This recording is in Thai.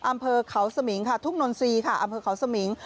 อำเภอเขาสมิงค่ะทุ่งนนทรีย์ค่ะอำเภอเขาสมิง